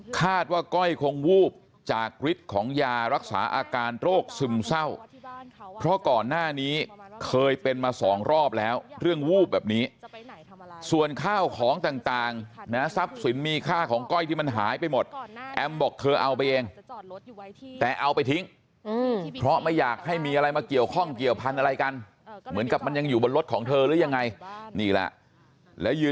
ว่าก้อยคงวูบจากฤทธิ์ของยารักษาอาการโรคซึมเศร้าเพราะก่อนหน้านี้เคยเป็นมาสองรอบแล้วเรื่องวูบแบบนี้ส่วนข้าวของต่างนะทรัพย์สินมีค่าของก้อยที่มันหายไปหมดแอมบอกเธอเอาไปเองแต่เอาไปทิ้งเพราะไม่อยากให้มีอะไรมาเกี่ยวข้องเกี่ยวพันธุ์อะไรกันเหมือนกับมันยังอยู่บนรถของเธอหรือยังไงนี่แหละแล้วยืน